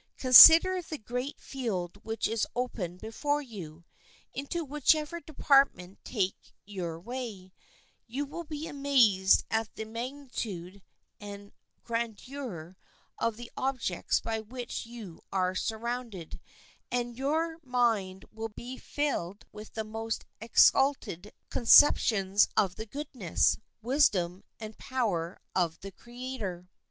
Consider the great field which is open before you. Into whichever department you take your way, you will be amazed at the magnitude and grandeur of the objects by which you are surrounded, and your mind will be filled with the most exalted conceptions of the goodness, wisdom, and power of the Creator.